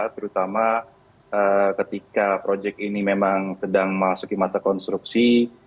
terutama ketika proyek ini memang sedang memasuki masa konstruksi